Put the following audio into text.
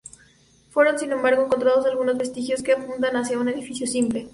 Fueron, sin embargo, encontrados algunos vestigios que apuntan hacia un edificio simple.